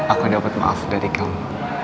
aku dapat maaf dari kamu